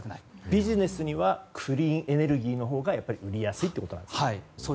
ビジネスにはクリーンエネルギーのほうが売りやすいということなんですね。